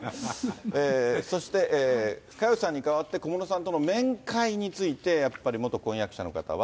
そして、佳代さんに代わって、小室さんとの面会について、やっぱり元婚約者の方は。